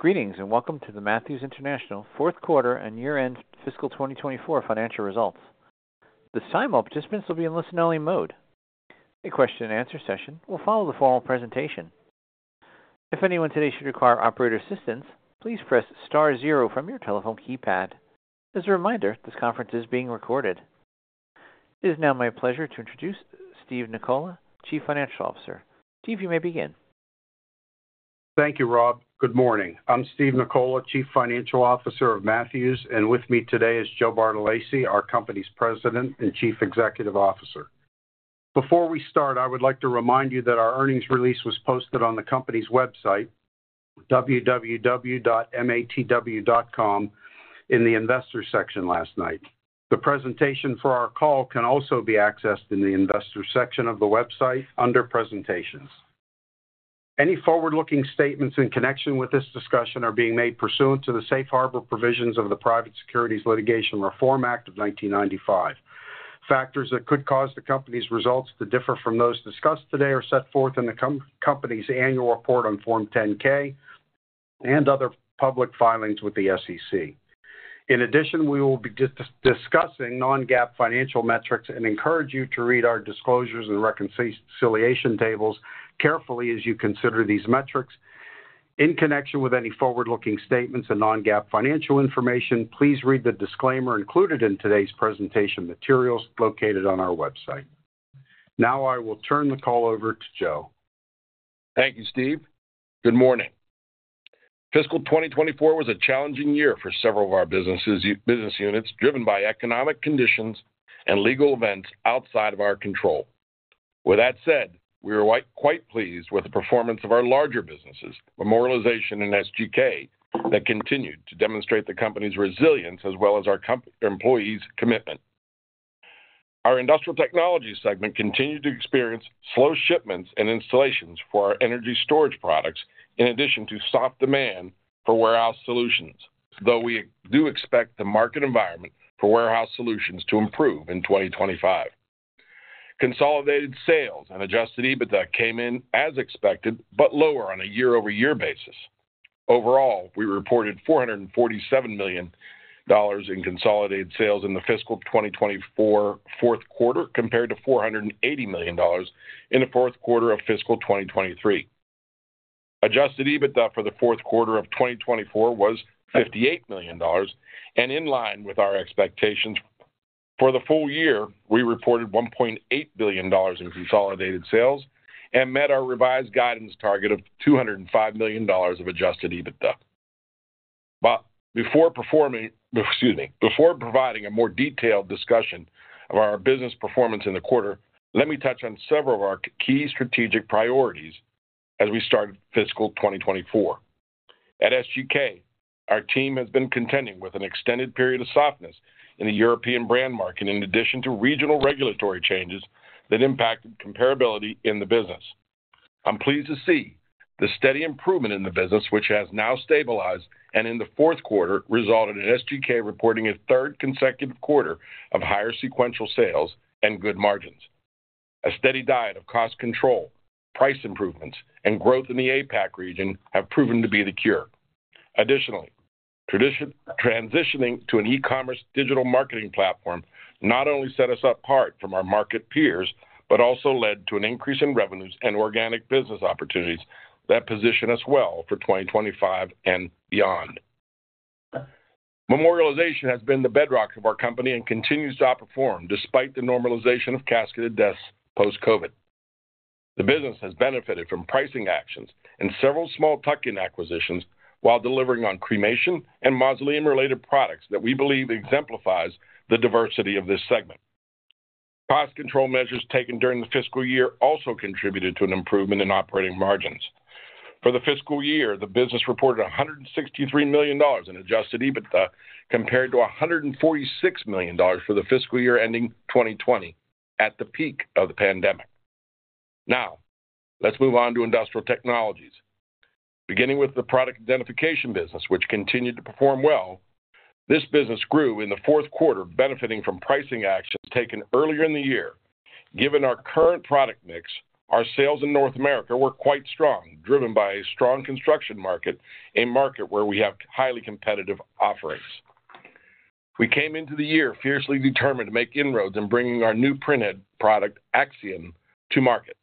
Greetings and welcome to the Matthews International, fourth quarter and year-end fiscal 2024 financial results. This time all participants will be in listen-only mode. A question-and-answer session will follow the formal presentation. If anyone today should require operator assistance, please press star zero from your telephone keypad. As a reminder, this conference is being recorded. It is now my pleasure to introduce Steve Nicola, Chief Financial Officer. Steve, you may begin. Thank you, Rob. Good morning. I'm Steve Nicola, Chief Financial Officer of Matthews, and with me today is Joe Bartolacci, our company's President and Chief Executive Officer. Before we start, I would like to remind you that our earnings release was posted on the company's website, www.matw.com, in the investor section last night. The presentation for our call can also be accessed in the investor section of the website under presentations. Any forward-looking statements in connection with this discussion are being made pursuant to the safe harbor provisions of the Private Securities Litigation Reform Act of 1995. Factors that could cause the company's results to differ from those discussed today are set forth in the company's annual report on Form 10-K and other public filings with the SEC. In addition, we will be discussing non-GAAP financial metrics and encourage you to read our disclosures and reconciliation tables carefully as you consider these metrics. In connection with any forward-looking statements and non-GAAP financial information, please read the disclaimer included in today's presentation materials located on our website. Now I will turn the call over to Joe. Thank you, Steve. Good morning. Fiscal 2024 was a challenging year for several of our business units, driven by economic conditions and legal events outside of our control. With that said, we were quite pleased with the performance of our larger businesses, memorialization and SGK, that continued to demonstrate the company's resilience as well as our employees' commitment. Our industrial technology segment continued to experience slow shipments and installations for our energy storage products, in addition to soft demand for warehouse solutions, though we do expect the market environment for warehouse solutions to improve in 2025. Consolidated sales and Adjusted EBITDA came in as expected, but lower on a year-over-year basis. Overall, we reported $447 million in consolidated sales in the fiscal 2024 fourth quarter, compared to $480 million in the fourth quarter of fiscal 2023. Adjusted EBITDA for the fourth quarter of 2024 was $58 million, and in line with our expectations for the full year, we reported $1.8 billion in consolidated sales and met our revised guidance target of $205 million of adjusted EBITDA. Before providing a more detailed discussion of our business performance in the quarter, let me touch on several of our key strategic priorities as we started fiscal 2024. At SGK, our team has been contending with an extended period of softness in the European brand market, in addition to regional regulatory changes that impacted comparability in the business. I'm pleased to see the steady improvement in the business, which has now stabilized, and in the fourth quarter resulted in SGK reporting its third consecutive quarter of higher sequential sales and good margins. A steady diet of cost control, price improvements, and growth in the APAC region have proven to be the cure. Additionally, transitioning to an e-commerce digital marketing platform not only set us apart from our market peers, but also led to an increase in revenues and organic business opportunities that position us well for 2025 and beyond. Memorialization has been the bedrock of our company and continues to outperform despite the normalization of casketed deaths post-COVID. The business has benefited from pricing actions and several small tuck-in acquisitions while delivering on cremation and mausoleum-related products that we believe exemplify the diversity of this segment. Cost control measures taken during the fiscal year also contributed to an improvement in operating margins. For the fiscal year, the business reported $163 million in Adjusted EBITDA, compared to $146 million for the fiscal year ending 2020 at the peak of the pandemic. Now, let's move on to industrial technologies. Beginning with the product identification business, which continued to perform well, this business grew in the fourth quarter, benefiting from pricing actions taken earlier in the year. Given our current product mix, our sales in North America were quite strong, driven by a strong construction market, a market where we have highly competitive offerings. We came into the year fiercely determined to make inroads in bringing our new printhead product, Axiom, to market.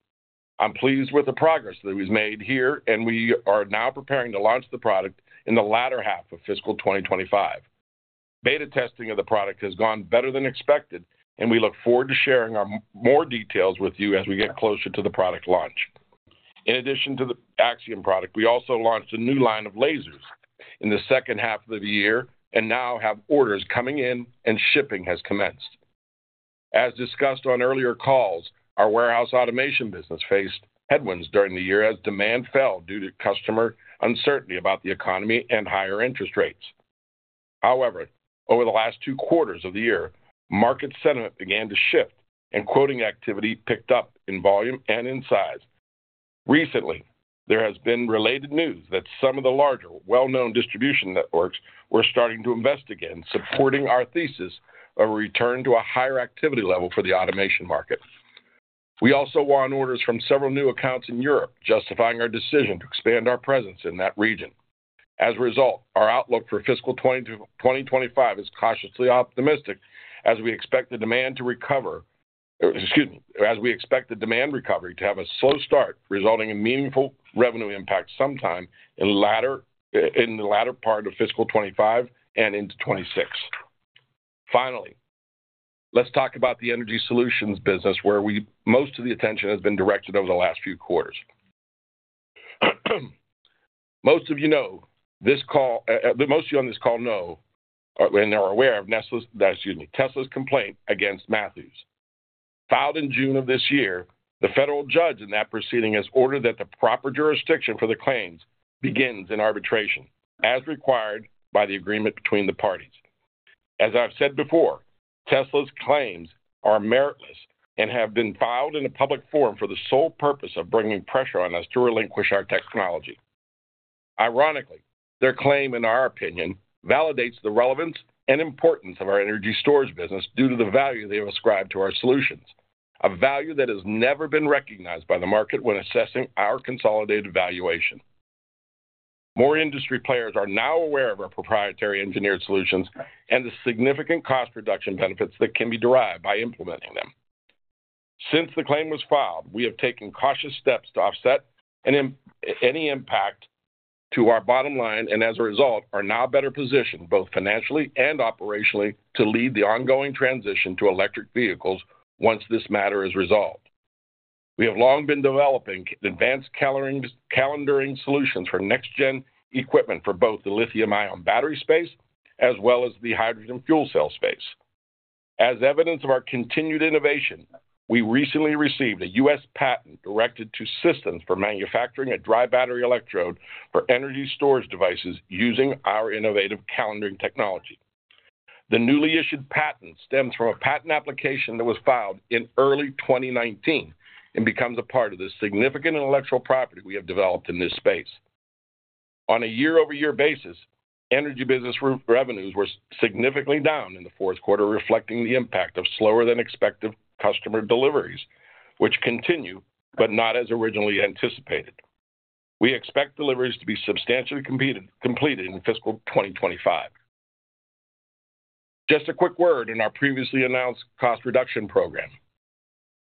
I'm pleased with the progress that we've made here, and we are now preparing to launch the product in the latter half of fiscal 2025. Beta testing of the product has gone better than expected, and we look forward to sharing more details with you as we get closer to the product launch. In addition to the Axiom product, we also launched a new line of lasers in the second half of the year and now have orders coming in, and shipping has commenced. As discussed on earlier calls, our warehouse automation business faced headwinds during the year as demand fell due to customer uncertainty about the economy and higher interest rates. However, over the last two quarters of the year, market sentiment began to shift, and quoting activity picked up in volume and in size. Recently, there has been related news that some of the larger, well-known distribution networks were starting to invest again, supporting our thesis of a return to a higher activity level for the automation market. We also won orders from several new accounts in Europe, justifying our decision to expand our presence in that region. As a result, our outlook for fiscal 2025 is cautiously optimistic as we expect the demand to recover, excuse me, as we expect the demand recovery to have a slow start, resulting in meaningful revenue impacts sometime in the latter part of fiscal 25 and into 26. Finally, let's talk about the energy solutions business, where most of the attention has been directed over the last few quarters. Most of you know this call, most of you on this call know and are aware of Tesla's complaint against Matthews. Filed in June of this year, the federal judge in that proceeding has ordered that the proper jurisdiction for the claims begins in arbitration, as required by the agreement between the parties. As I've said before, Tesla's claims are meritless and have been filed in a public forum for the sole purpose of bringing pressure on us to relinquish our technology. Ironically, their claim, in our opinion, validates the relevance and importance of our energy storage business due to the value they ascribe to our solutions, a value that has never been recognized by the market when assessing our consolidated valuation. More industry players are now aware of our proprietary engineered solutions and the significant cost reduction benefits that can be derived by implementing them. Since the claim was filed, we have taken cautious steps to offset any impact to our bottom line and, as a result, are now better positioned both financially and operationally to lead the ongoing transition to electric vehicles once this matter is resolved. We have long been developing advanced calendering solutions for next-gen equipment for both the lithium-ion battery space as well as the hydrogen fuel cell space. As evidence of our continued innovation, we recently received a U.S. Patent directed to systems for manufacturing a dry battery electrode for energy storage devices using our innovative calendering technology. The newly issued patent stems from a patent application that was filed in early 2019 and becomes a part of the significant intellectual property we have developed in this space. On a year-over-year basis, energy business revenues were significantly down in the fourth quarter, reflecting the impact of slower-than-expected customer deliveries, which continue but not as originally anticipated. We expect deliveries to be substantially completed in fiscal 2025. Just a quick word on our previously announced cost reduction program.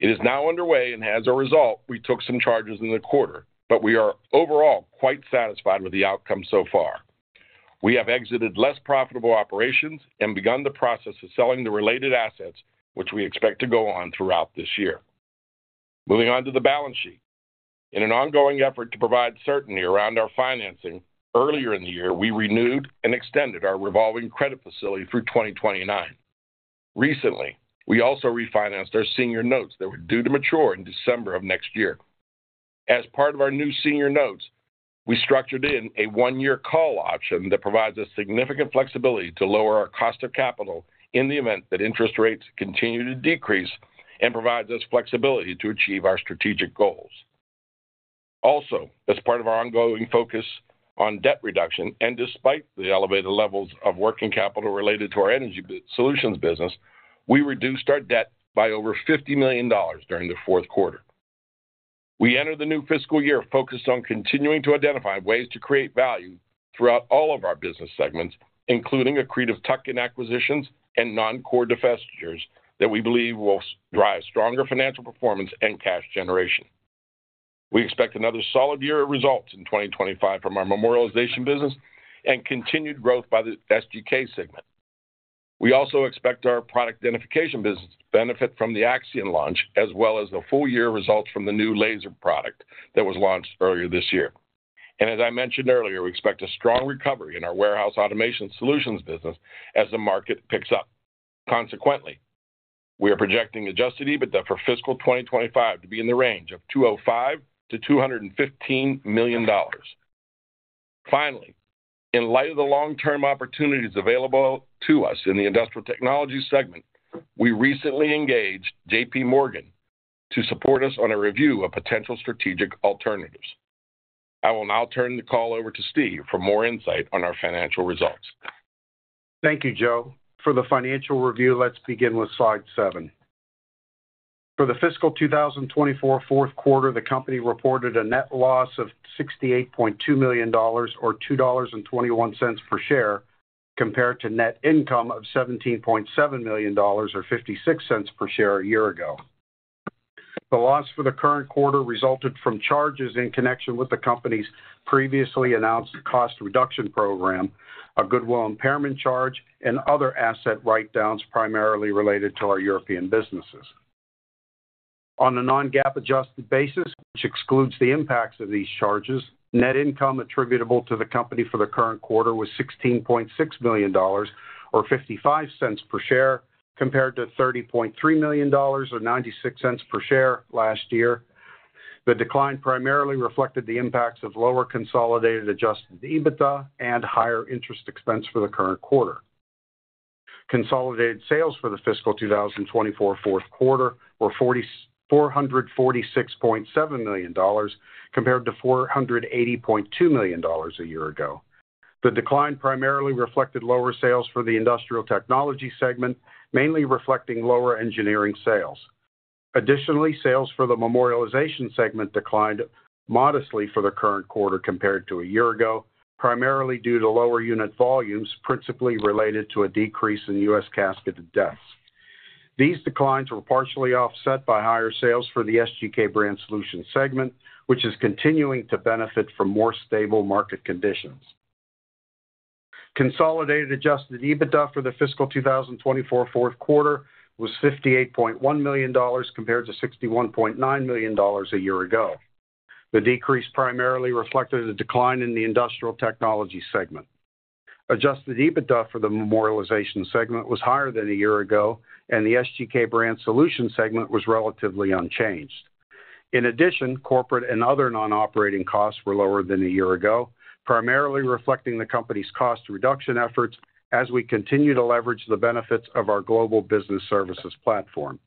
It is now underway, and as a result, we took some charges in the quarter, but we are overall quite satisfied with the outcome so far. We have exited less profitable operations and begun the process of selling the related assets, which we expect to go on throughout this year. Moving on to the balance sheet. In an ongoing effort to provide certainty around our financing, earlier in the year, we renewed and extended our revolving credit facility through 2029. Recently, we also refinanced our senior notes that were due to mature in December of next year. As part of our new senior notes, we structured in a one-year call option that provides us significant flexibility to lower our cost of capital in the event that interest rates continue to decrease and provides us flexibility to achieve our strategic goals. Also, as part of our ongoing focus on debt reduction and despite the elevated levels of working capital related to our energy solutions business, we reduced our debt by over $50 million during the fourth quarter. We entered the new fiscal year focused on continuing to identify ways to create value throughout all of our business segments, including accretive tuck-in acquisitions and non-core divestitures that we believe will drive stronger financial performance and cash generation. We expect another solid year of results in 2025 from our memorialization business and continued growth by the SGK segment. We also expect our product identification business to benefit from the Axiom launch, as well as the full-year results from the new laser product that was launched earlier this year, and as I mentioned earlier, we expect a strong recovery in our warehouse automation solutions business as the market picks up. Consequently, we are projecting Adjusted EBITDA for fiscal 2025 to be in the range of $205-$215 million. Finally, in light of the long-term opportunities available to us in the industrial technology segment, we recently engaged J.P. Morgan to support us on a review of potential strategic alternatives. I will now turn the call over to Steve for more insight on our financial results. Thank you, Joe. For the financial review, let's begin with slide seven. For the fiscal 2024 fourth quarter, the company reported a net loss of $68.2 million, or $2.21 per share, compared to net income of $17.7 million, or $0.56 per share a year ago. The loss for the current quarter resulted from charges in connection with the company's previously announced cost reduction program, a goodwill impairment charge, and other asset write-downs primarily related to our European businesses. On a non-GAAP adjusted basis, which excludes the impacts of these charges, net income attributable to the company for the current quarter was $16.6 million, or $0.55 per share, compared to $30.3 million, or $0.96 per share last year. The decline primarily reflected the impacts of lower consolidated Adjusted EBITDA and higher interest expense for the current quarter. Consolidated sales for the fiscal 2024 fourth quarter were $446.7 million, compared to $480.2 million a year ago. The decline primarily reflected lower sales for the industrial technology segment, mainly reflecting lower engineering sales. Additionally, sales for the memorialization segment declined modestly for the current quarter compared to a year ago, primarily due to lower unit volumes principally related to a decrease in U.S. casketed deaths. These declines were partially offset by higher sales for the SGK Brand Solutions segment, which is continuing to benefit from more stable market conditions. Consolidated adjusted EBITDA for the fiscal 2024 fourth quarter was $58.1 million, compared to $61.9 million a year ago. The decrease primarily reflected a decline in the industrial technology segment. Adjusted EBITDA for the memorialization segment was higher than a year ago, and the SGK Brand Solutions segment was relatively unchanged. In addition, corporate and other non-operating costs were lower than a year ago, primarily reflecting the company's cost reduction efforts as we continue to leverage the benefits of our global business services platform.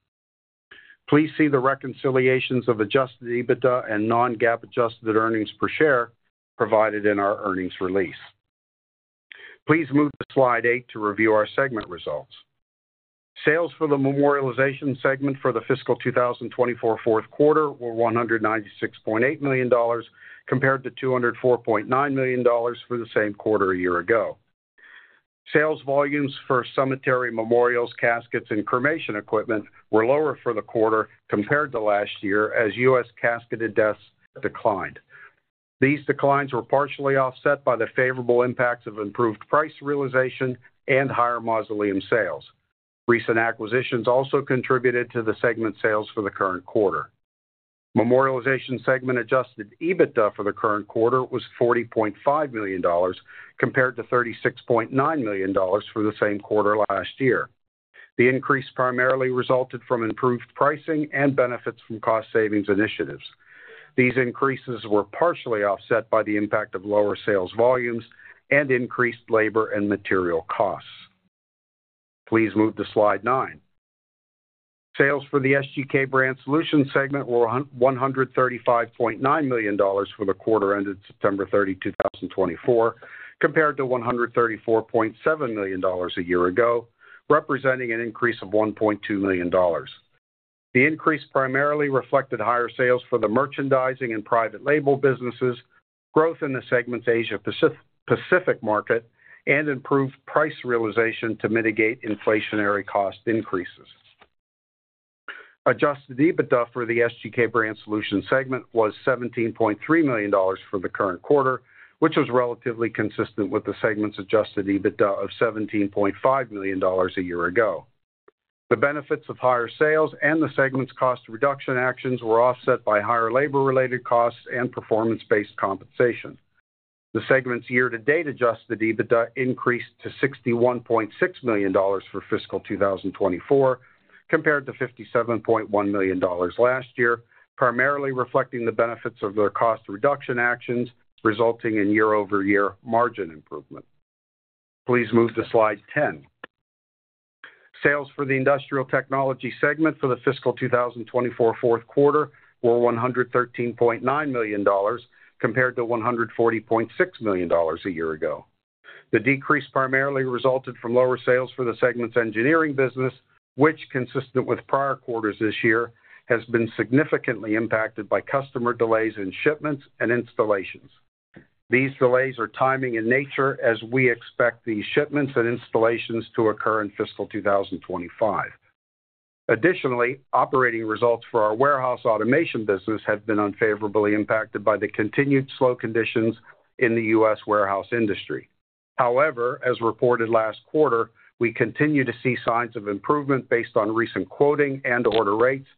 Please see the reconciliations of Adjusted EBITDA and Non-GAAP adjusted earnings per share provided in our earnings release. Please move to slide eight to review our segment results. Sales for the memorialization segment for the fiscal 2024 fourth quarter were $196.8 million, compared to $204.9 million for the same quarter a year ago. Sales volumes for cemetery memorials, caskets, and cremation equipment were lower for the quarter compared to last year as U.S. casketed deaths declined. These declines were partially offset by the favorable impacts of improved price realization and higher mausoleum sales. Recent acquisitions also contributed to the segment sales for the current quarter. Memorialization segment Adjusted EBITDA for the current quarter was $40.5 million, compared to $36.9 million for the same quarter last year. The increase primarily resulted from improved pricing and benefits from cost savings initiatives. These increases were partially offset by the impact of lower sales volumes and increased labor and material costs. Please move to slide nine. Sales for the SGK Brand Solutions segment were $135.9 million for the quarter ended September 30, 2024, compared to $134.7 million a year ago, representing an increase of $1.2 million. The increase primarily reflected higher sales for the merchandising and private label businesses, growth in the segment's Asia-Pacific market, and improved price realization to mitigate inflationary cost increases. Adjusted EBITDA for the SGK Brand Solutions segment was $17.3 million for the current quarter, which was relatively consistent with the segment's Adjusted EBITDA of $17.5 million a year ago. The benefits of higher sales and the segment's cost reduction actions were offset by higher labor-related costs and performance-based compensation. The segment's year-to-date Adjusted EBITDA increased to $61.6 million for fiscal 2024, compared to $57.1 million last year, primarily reflecting the benefits of their cost reduction actions resulting in year-over-year margin improvement. Please move to slide ten. Sales for the industrial technology segment for the fiscal 2024 fourth quarter were $113.9 million, compared to $140.6 million a year ago. The decrease primarily resulted from lower sales for the segment's engineering business, which, consistent with prior quarters this year, has been significantly impacted by customer delays in shipments and installations. These delays are timing in nature as we expect these shipments and installations to occur in fiscal 2025. Additionally, operating results for our warehouse automation business have been unfavorably impacted by the continued slow conditions in the U.S. warehouse industry. However, as reported last quarter, we continue to see signs of improvement based on recent quoting and order rates,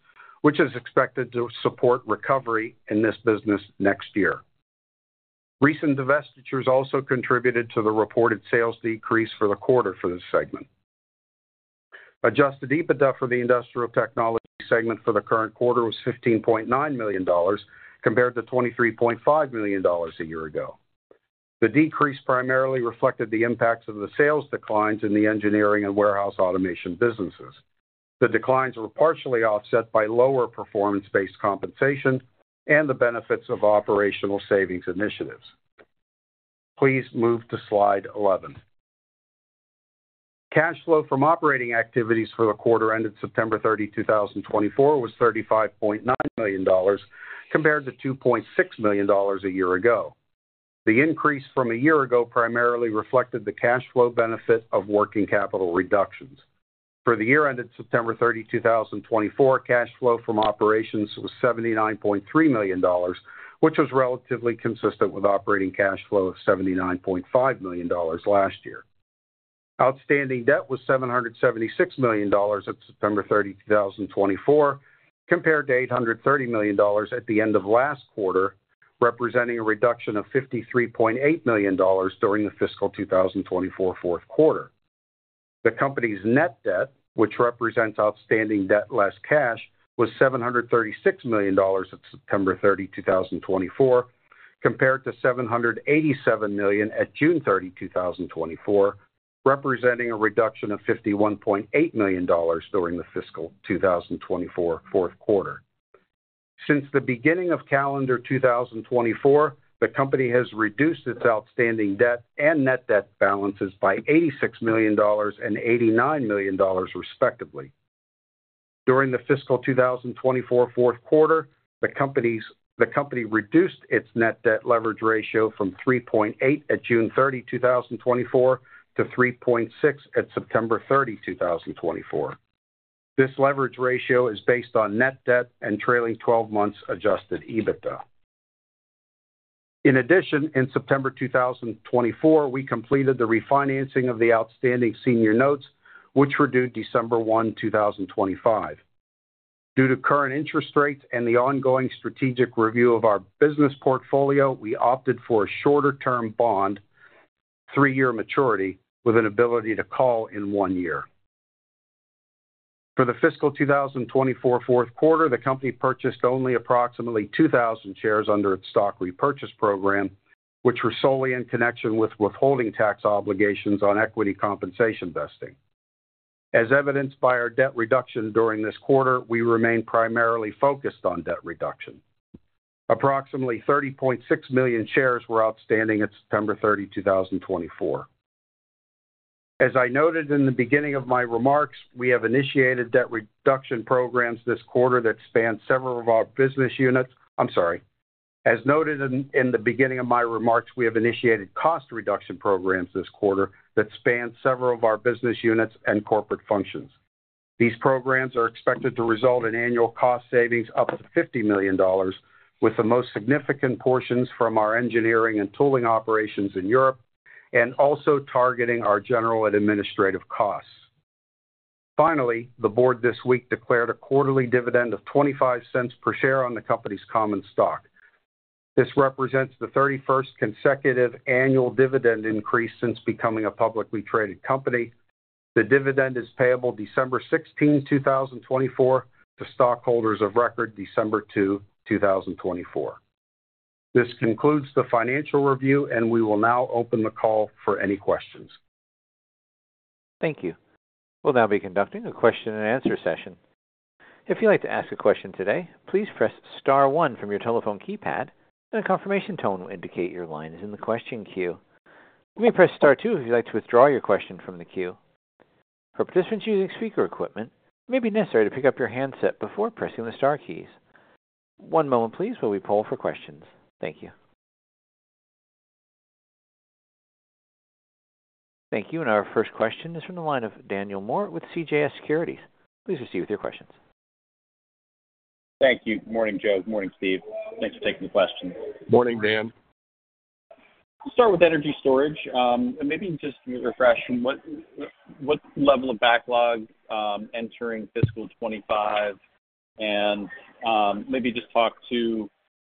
which is expected to support recovery in this business next year. Recent divestitures also contributed to the reported sales decrease for the quarter for this segment. Adjusted EBITDA for the industrial technology segment for the current quarter was $15.9 million, compared to $23.5 million a year ago. The decrease primarily reflected the impacts of the sales declines in the engineering and warehouse automation businesses. The declines were partially offset by lower performance-based compensation and the benefits of operational savings initiatives. Please move to slide 11. Cash flow from operating activities for the quarter ended September 30, 2024, was $35.9 million, compared to $2.6 million a year ago. The increase from a year ago primarily reflected the cash flow benefit of working capital reductions. For the year ended September 30, 2024, cash flow from operations was $79.3 million, which was relatively consistent with operating cash flow of $79.5 million last year. Outstanding debt was $776 million at September 30, 2024, compared to $830 million at the end of last quarter, representing a reduction of $53.8 million during the fiscal 2024 fourth quarter. The company's net debt, which represents outstanding debt less cash, was $736 million at September 30, 2024, compared to $787 million at June 30, 2024, representing a reduction of $51.8 million during the fiscal 2024 fourth quarter. Since the beginning of calendar 2024, the company has reduced its outstanding debt and net debt balances by $86 million and $89 million, respectively. During the fiscal 2024 fourth quarter, the company reduced its net debt leverage ratio from 3.8 at June 30, 2024, to 3.6 at September 30, 2024. This leverage ratio is based on net debt and trailing 12 months' Adjusted EBITDA. In addition, in September 2024, we completed the refinancing of the outstanding Senior notes, which were due December 1, 2025. Due to current interest rates and the ongoing strategic review of our business portfolio, we opted for a shorter-term bond, three-year maturity, with an ability to call in one year. For the fiscal 2024 fourth quarter, the company purchased only approximately 2,000 shares under its stock repurchase program, which was solely in connection with withholding tax obligations on equity compensation vesting. As evidenced by our debt reduction during this quarter, we remain primarily focused on debt reduction. Approximately 30.6 million shares were outstanding at September 30, 2024. As I noted in the beginning of my remarks, we have initiated debt reduction programs this quarter that span several of our business units. I'm sorry. As noted in the beginning of my remarks, we have initiated cost reduction programs this quarter that span several of our business units and corporate functions. These programs are expected to result in annual cost savings up to $50 million, with the most significant portions from our engineering and tooling operations in Europe and also targeting our general and administrative costs. Finally, the board this week declared a quarterly dividend of $0.25 per share on the company's common stock. This represents the 31st consecutive annual dividend increase since becoming a publicly traded company. The dividend is payable December 16, 2024, to stockholders of record December 2, 2024. This concludes the financial review, and we will now open the call for any questions. Thank you. We'll now be conducting a question-and-answer session. If you'd like to ask a question today, please press Star 1 from your telephone keypad, and a confirmation tone will indicate your line is in the question queue. You may press Star 2 if you'd like to withdraw your question from the queue. For participants using speaker equipment, it may be necessary to pick up your handset before pressing the Star keys. One moment, please, while we poll for questions. Thank you. Thank you. And our first question is from the line of Daniel Moore with CJS Securities. Please proceed with your questions. Thank you. Good morning, Joe. Good morning, Steve. Thanks for taking the question. Morning, Dan. We'll start with energy storage and maybe just refreshing what level of backlog entering fiscal 25, and maybe just talk to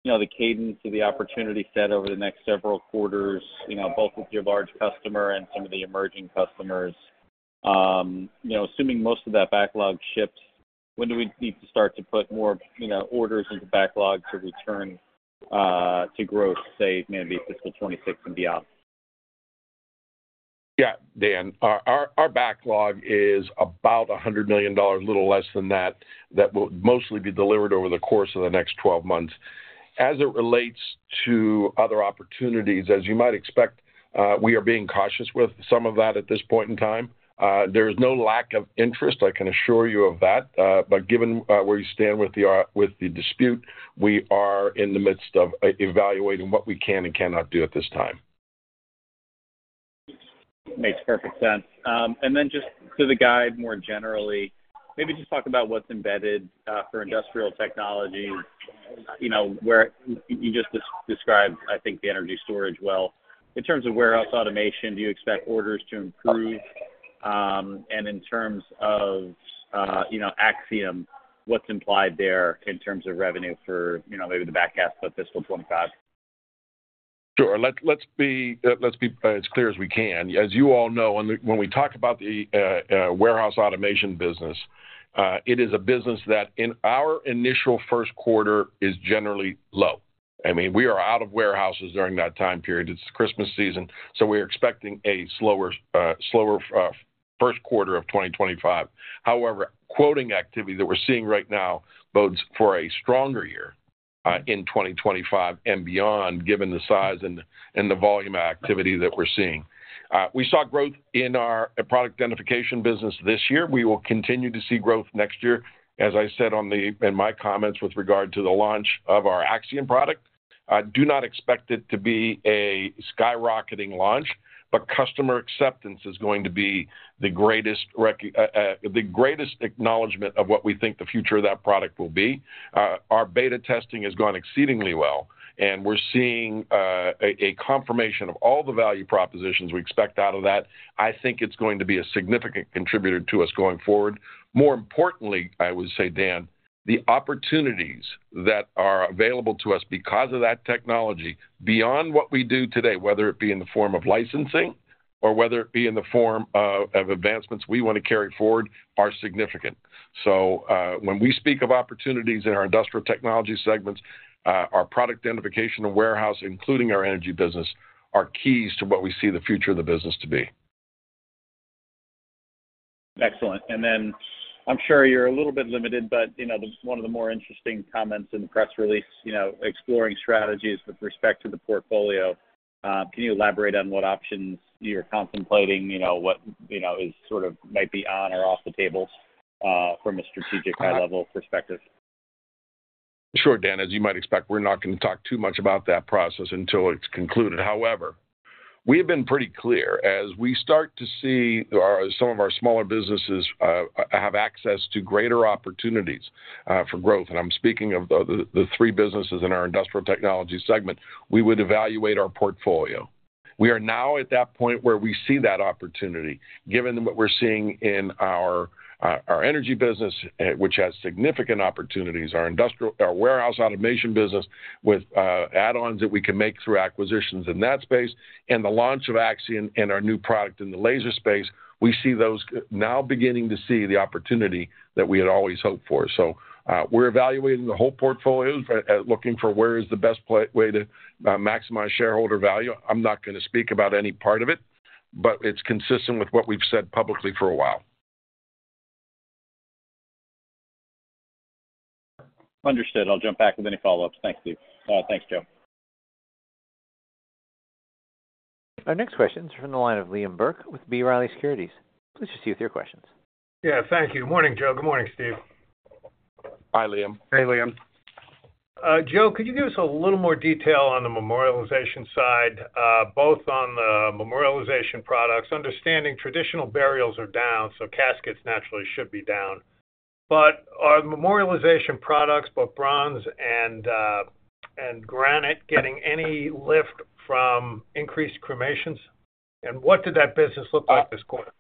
the cadence of the opportunity set over the next several quarters, both with your large customer and some of the emerging customers. Assuming most of that backlog shifts, when do we need to start to put more orders into backlog to return to growth, say, maybe fiscal 26 and beyond? Yeah, Dan. Our backlog is about $100 million, a little less than that, that will mostly be delivered over the course of the next 12 months. As it relates to other opportunities, as you might expect, we are being cautious with some of that at this point in time. There is no lack of interest, I can assure you of that. But given where you stand with the dispute, we are in the midst of evaluating what we can and cannot do at this time. Makes perfect sense. And then just to the guide more generally, maybe just talk about what's embedded for industrial technology, where you just described, I think, the energy storage well. In terms of warehouse automation, do you expect orders to improve? And in terms of Axiom, what's implied there in terms of revenue for maybe the back half of fiscal 2025? Sure. Let's be as clear as we can. As you all know, when we talk about the warehouse automation business, it is a business that in our initial first quarter is generally low. I mean, we are out of warehouses during that time period. It's Christmas season, so we're expecting a slower first quarter of 2025. However, quoting activity that we're seeing right now bodes for a stronger year in 2025 and beyond, given the size and the volume of activity that we're seeing. We saw growth in our product identification business this year. We will continue to see growth next year. As I said in my comments with regard to the launch of our Axiom product, I do not expect it to be a skyrocketing launch, but customer acceptance is going to be the greatest acknowledgment of what we think the future of that product will be. Our beta testing has gone exceedingly well, and we're seeing a confirmation of all the value propositions we expect out of that. I think it's going to be a significant contributor to us going forward. More importantly, I would say, Dan, the opportunities that are available to us because of that technology, beyond what we do today, whether it be in the form of licensing or whether it be in the form of advancements we want to carry forward, are significant. So when we speak of opportunities in our industrial technology segments, our product identification and warehouse, including our energy business, are keys to what we see the future of the business to be. Excellent, and then I'm sure you're a little bit limited, but one of the more interesting comments in the press release, exploring strategies with respect to the portfolio. Can you elaborate on what options you're contemplating, what is sort of maybe on or off the table from a strategic high-level perspective? Sure, Dan. As you might expect, we're not going to talk too much about that process until it's concluded. However, we have been pretty clear. As we start to see some of our smaller businesses have access to greater opportunities for growth, and I'm speaking of the three businesses in our industrial technology segment, we would evaluate our portfolio. We are now at that point where we see that opportunity. Given what we're seeing in our energy business, which has significant opportunities, our warehouse automation business with add-ons that we can make through acquisitions in that space, and the launch of Axiom and our new product in the laser space, we see those now beginning to see the opportunity that we had always hoped for. So we're evaluating the whole portfolio, looking for where is the best way to maximize shareholder value. I'm not going to speak about any part of it, but it's consistent with what we've said publicly for a while. Understood. I'll jump back with any follow-ups. Thanks, Steve. Thanks, Joe. Our next question is from the line of Liam Burke with B. Riley Securities. Please proceed with your questions. Yeah, thank you. Morning, Joe. Good morning, Steve. Hi, Liam. Hey, Liam. Joe, could you give us a little more detail on the memorialization side, both on the memorialization products? Understanding traditional burials are down, so caskets naturally should be down. But are the memorialization products, both bronze and granite, getting any lift from increased cremations? And what did that business look like this quarter?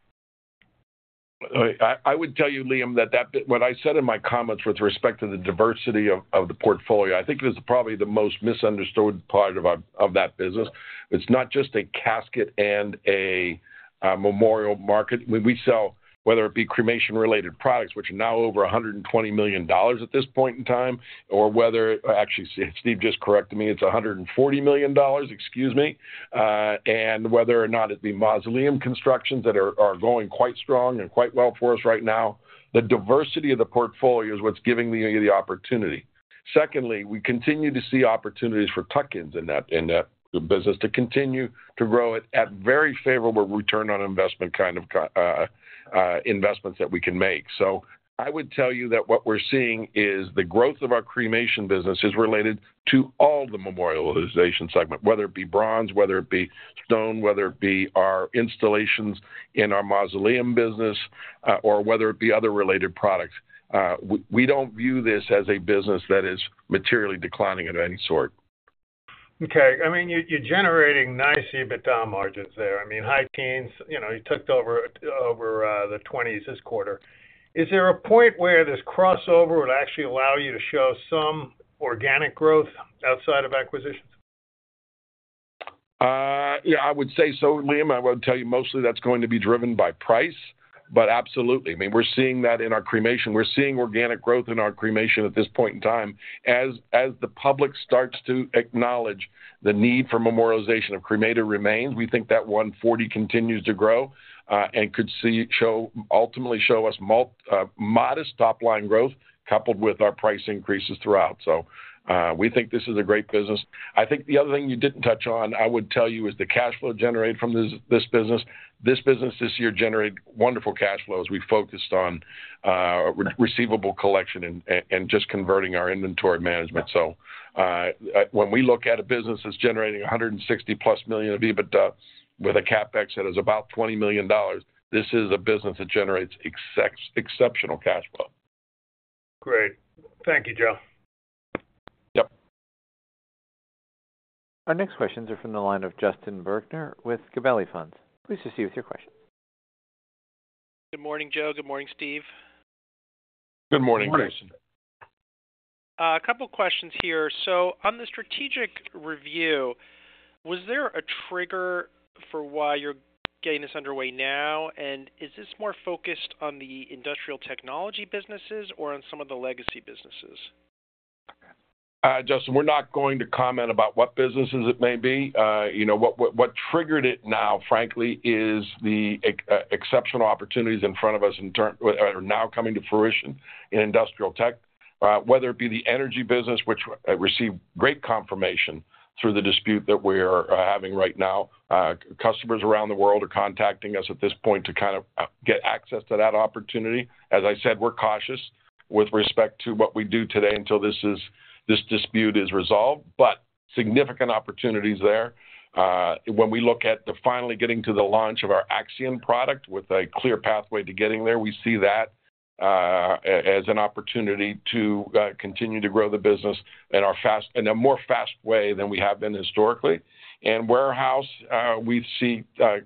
I would tell you, Liam, that what I said in my comments with respect to the diversity of the portfolio, I think it is probably the most misunderstood part of that business. It's not just a casket and a memorial market. We sell, whether it be cremation-related products, which are now over $120 million at this point in time, or whether actually, Steve just corrected me, it's $140 million, excuse me, and whether or not it be mausoleum constructions that are going quite strong and quite well for us right now, the diversity of the portfolio is what's giving the opportunity. Secondly, we continue to see opportunities for tuck-ins in that business to continue to grow at very favorable return on investment kind of investments that we can make. So I would tell you that what we're seeing is the growth of our cremation business is related to all the memorialization segment, whether it be bronze, whether it be stone, whether it be our installations in our mausoleum business, or whether it be other related products. We don't view this as a business that is materially declining of any sort. Okay. I mean, you're generating nice EBITDA margins there. I mean, high teens, you took over the 20s this quarter. Is there a point where this crossover would actually allow you to show some organic growth outside of acquisitions? Yeah, I would say so, Liam. I would tell you mostly that's going to be driven by price, but absolutely. I mean, we're seeing that in our cremation. We're seeing organic growth in our cremation at this point in time. As the public starts to acknowledge the need for memorialization of cremated remains, we think that 40 continues to grow and could ultimately show us modest top-line growth coupled with our price increases throughout. So we think this is a great business. I think the other thing you didn't touch on, I would tell you, is the cash flow generated from this business. This business this year generated wonderful cash flows. We focused on receivable collection and just converting our inventory management. When we look at a business that's generating 160-plus million of EBITDA with a CapEx that is about $20 million, this is a business that generates exceptional cash flow. Great. Thank you, Joe. Yep. Our next questions are from the line of Justin Bergner with Gabelli Funds. Please proceed with your question. Good morning, Joe. Good morning, Steve. Good morning, Jason. A couple of questions here. So on the strategic review, was there a trigger for why you're getting this underway now? And is this more focused on the industrial technology businesses or on some of the legacy businesses? Justin, we're not going to comment about what businesses it may be. What triggered it now, frankly, is the exceptional opportunities in front of us are now coming to fruition in industrial tech, whether it be the energy business, which received great confirmation through the dispute that we're having right now. Customers around the world are contacting us at this point to kind of get access to that opportunity. As I said, we're cautious with respect to what we do today until this dispute is resolved, but significant opportunities there. When we look at us finally getting to the launch of our Axiom product with a clear pathway to getting there, we see that as an opportunity to continue to grow the business in a more fast way than we have been historically. And warehouse, we see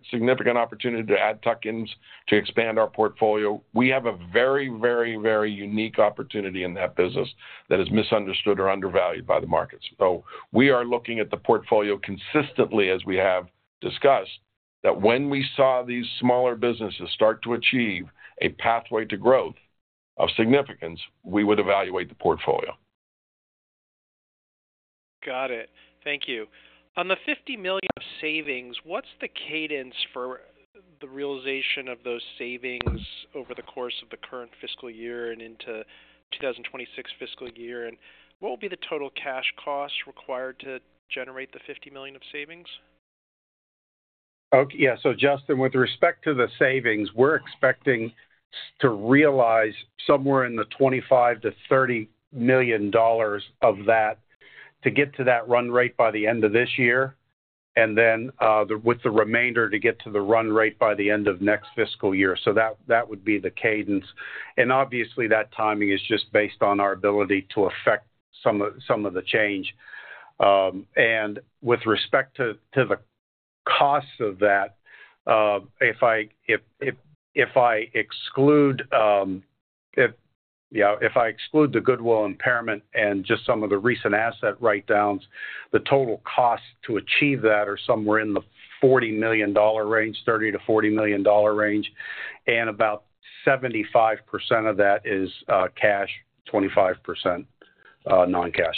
significant opportunity to add tuck-ins to expand our portfolio. We have a very, very, very unique opportunity in that business that is misunderstood or undervalued by the markets. So we are looking at the portfolio consistently as we have discussed that when we saw these smaller businesses start to achieve a pathway to growth of significance, we would evaluate the portfolio. Got it. Thank you. On the $50 million of savings, what's the cadence for the realization of those savings over the course of the current fiscal year and into 2026 fiscal year? And what will be the total cash cost required to generate the $50 million of savings? Okay. Yeah. So, Justin, with respect to the savings, we're expecting to realize somewhere in the $25-$30 million of that to get to that run rate by the end of this year, and then with the remainder to get to the run rate by the end of next fiscal year. So that would be the cadence. And obviously, that timing is just based on our ability to affect some of the change. And with respect to the cost of that, if I exclude the goodwill impairment and just some of the recent asset write-downs, the total cost to achieve that is somewhere in the $40 million range, $30-$40 million range, and about 75% of that is cash, 25% non-cash.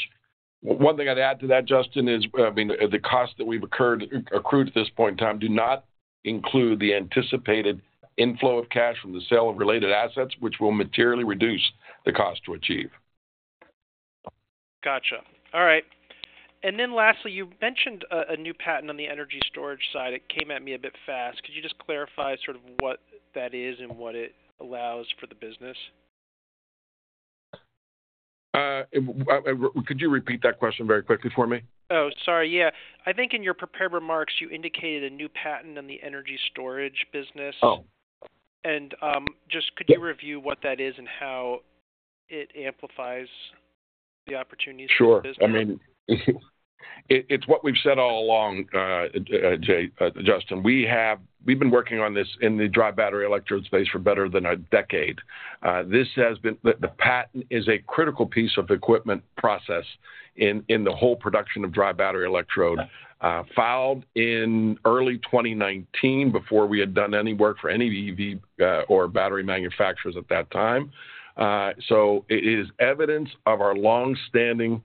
One thing I'd add to that, Justin, is I mean, the costs that we've accrued at this point in time do not include the anticipated inflow of cash from the sale of related assets, which will materially reduce the cost to achieve. Gotcha. All right. And then lastly, you mentioned a new patent on the energy storage side. It came at me a bit fast. Could you just clarify sort of what that is and what it allows for the business? Could you repeat that question very quickly for me? Oh, sorry. Yeah. I think in your prepared remarks, you indicated a new patent on the energy storage business. And just could you review what that is and how it amplifies the opportunities for the business? Sure. I mean, it's what we've said all along, Justin. We've been working on this in the dry battery electrode space for better than a decade. The patent is a critical piece of equipment process in the whole production of dry battery electrode, filed in early 2019 before we had done any work for any EV or battery manufacturers at that time. So it is evidence of our long-standing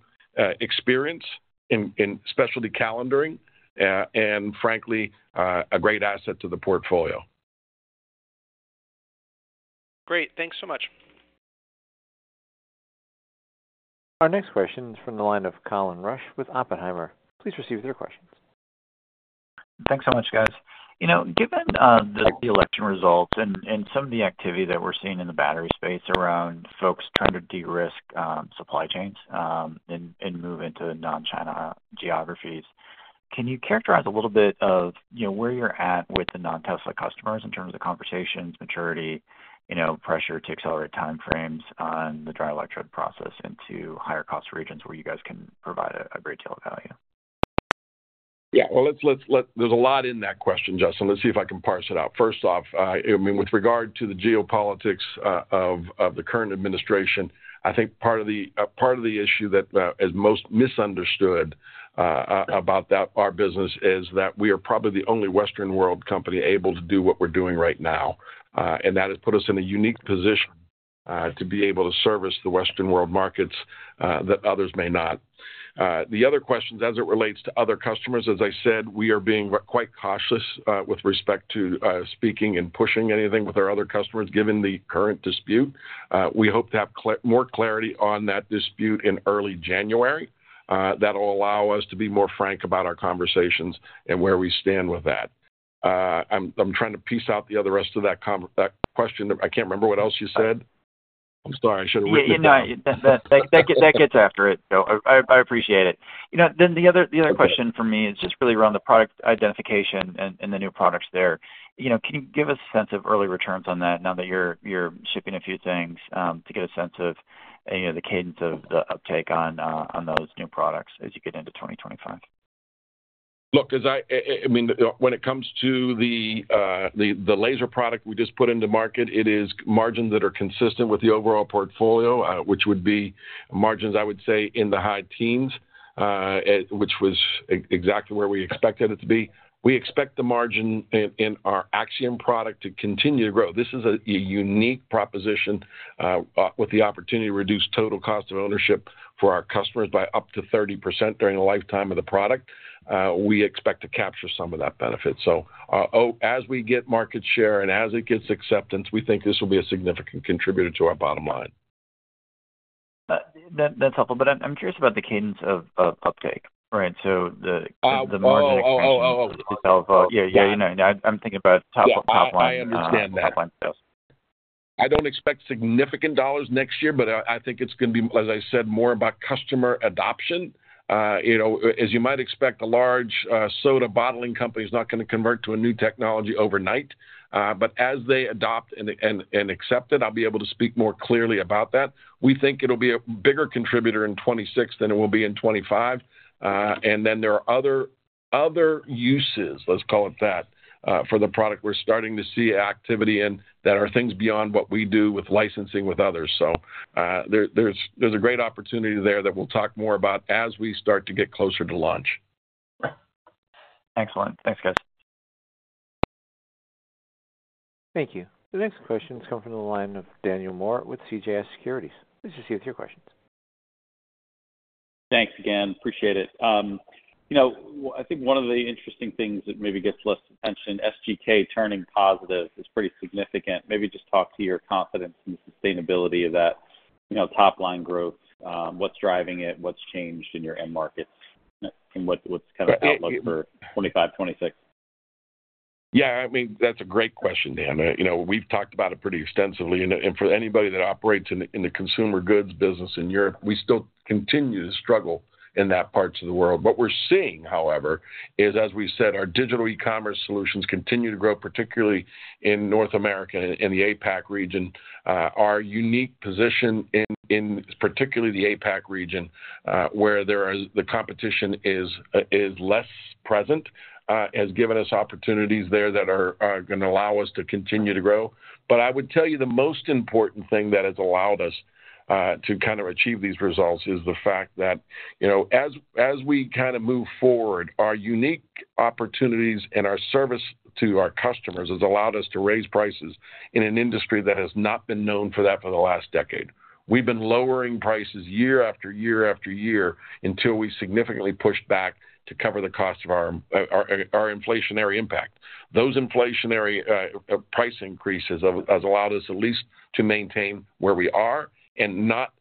experience in specialty calendaring and, frankly, a great asset to the portfolio. Great. Thanks so much. Our next question is from the line of Colin Rusch with Oppenheimer. Please proceed with your questions. Thanks so much, guys. Given the election results and some of the activity that we're seeing in the battery space around folks trying to de-risk supply chains and move into non-China geographies, can you characterize a little bit of where you're at with the non-Tesla customers in terms of conversations, maturity, pressure to accelerate timeframes on the dry electrode process into higher-cost regions where you guys can provide a great deal of value? Yeah. Well, there's a lot in that question, Justin. Let's see if I can parse it out. First off, I mean, with regard to the geopolitics of the current administration, I think part of the issue that is most misunderstood about our business is that we are probably the only Western world company able to do what we're doing right now. And that has put us in a unique position to be able to service the Western world markets that others may not. The other questions as it relates to other customers, as I said, we are being quite cautious with respect to speaking and pushing anything with our other customers given the current dispute. We hope to have more clarity on that dispute in early January. That will allow us to be more frank about our conversations and where we stand with that. I'm trying to piece out the other rest of that question. I can't remember what else you said. I'm sorry. I should have written it down. That gets after it, Joe. I appreciate it. Then the other question for me is just really around the product identification and the new products there. Can you give us a sense of early returns on that now that you're shipping a few things to get a sense of the cadence of the uptake on those new products as you get into 2025? Look, I mean, when it comes to the laser product we just put into market, it is margins that are consistent with the overall portfolio, which would be margins, I would say, in the high teens, which was exactly where we expected it to be. We expect the margin in our Axiom product to continue to grow. This is a unique proposition with the opportunity to reduce total cost of ownership for our customers by up to 30% during the lifetime of the product. We expect to capture some of that benefit, so as we get market share and as it gets acceptance, we think this will be a significant contributor to our bottom line. That's helpful. But I'm curious about the cadence of uptake, right? So the margin acquisition itself. Oh, oh, oh, oh. Yeah, yeah, yeah. I'm thinking about top-line. Yeah, yeah, yeah. I understand that. Top-line sales. I don't expect significant dollars next year, but I think it's going to be, as I said, more about customer adoption. As you might expect, a large soda bottling company is not going to convert to a new technology overnight. But as they adopt and accept it, I'll be able to speak more clearly about that. We think it'll be a bigger contributor in 2026 than it will be in 2025. And then there are other uses, let's call it that, for the product we're starting to see activity in that are things beyond what we do with licensing with others. So there's a great opportunity there that we'll talk more about as we start to get closer to launch. Excellent. Thanks, guys. Thank you. The next question has come from the line of Daniel Moore with CJS Securities. Please proceed with your questions. Thanks again. Appreciate it. I think one of the interesting things that maybe gets less attention, SGK turning positive, is pretty significant. Maybe just talk to your confidence in the sustainability of that top-line growth. What's driving it? What's changed in your end markets? And what's kind of the outlook for 2025, 2026? Yeah. I mean, that's a great question, Dan. We've talked about it pretty extensively, and for anybody that operates in the consumer goods business in Europe, we still continue to struggle in that parts of the world. What we're seeing, however, is, as we said, our digital e-commerce solutions continue to grow, particularly in North America and the APAC region. Our unique position in particularly the APAC region, where the competition is less present, has given us opportunities there that are going to allow us to continue to grow, but I would tell you the most important thing that has allowed us to kind of achieve these results is the fact that as we kind of move forward, our unique opportunities and our service to our customers has allowed us to raise prices in an industry that has not been known for that for the last decade. We've been lowering prices year after year after year until we significantly pushed back to cover the cost of our inflationary impact. Those inflationary price increases have allowed us at least to maintain where we are and not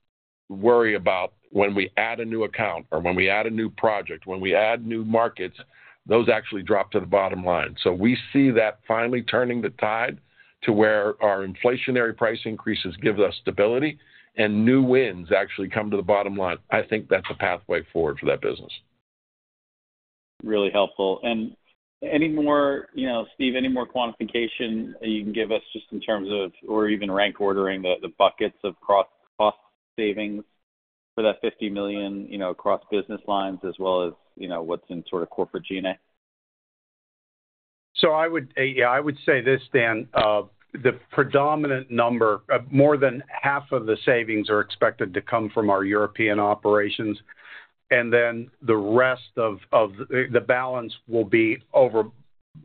worry about when we add a new account or when we add a new project, when we add new markets, those actually drop to the bottom line, so we see that finally turning the tide to where our inflationary price increases give us stability and new wins actually come to the bottom line. I think that's a pathway forward for that business. Really helpful. And Steve, any more quantification you can give us just in terms of or even rank-ordering the buckets of cost savings for that $50 million across business lines as well as what's in sort of corporate G&A? Yeah, I would say this, Dan. The predominant number, more than half of the savings are expected to come from our European operations. And then the rest of the balance will be over,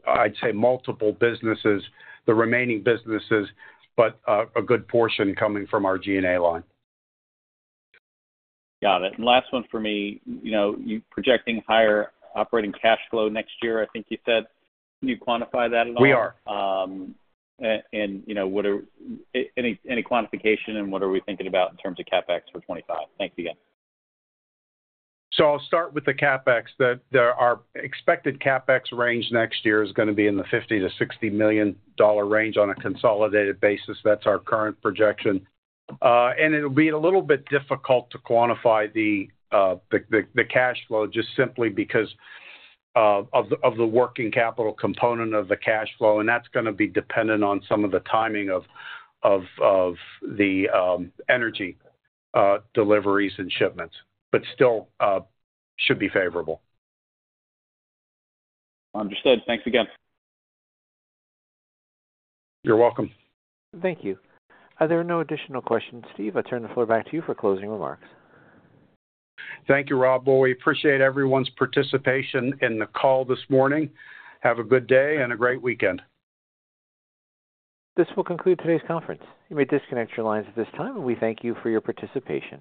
I'd say, multiple businesses, the remaining businesses, but a good portion coming from our G&A line. Got it. And last one for me, projecting higher operating cash flow next year, I think you said. Can you quantify that at all? We are. Any quantification and what are we thinking about in terms of CapEx for 2025? Thank you again. I'll start with the CapEx. Our expected CapEx range next year is going to be in the $50-$60 million range on a consolidated basis. That's our current projection. It'll be a little bit difficult to quantify the cash flow just simply because of the working capital component of the cash flow. That's going to be dependent on some of the timing of the energy deliveries and shipments, but still should be favorable. Understood. Thanks again. You're welcome. Thank you. Are there no additional questions, Steve? I turn the floor back to you for closing remarks. Thank you, Rob. Well, we appreciate everyone's participation in the call this morning. Have a good day and a great weekend. This will conclude today's conference. You may disconnect your lines at this time, and we thank you for your participation.